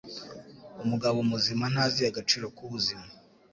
Umugabo muzima ntazi agaciro k ubuzima.